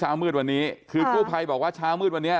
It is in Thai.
ช้ามืดวันนี้คือคู่ไพบอกว่าช้ามืดวันนี้